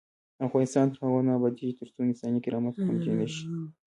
افغانستان تر هغو نه ابادیږي، ترڅو انساني کرامت خوندي نشي.